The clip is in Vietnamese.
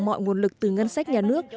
mọi nguồn lực từ ngân sách nhà nước